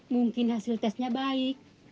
mungkin hasil tesnya baik